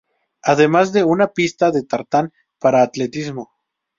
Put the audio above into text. Además de una pista de tartán para atletismo.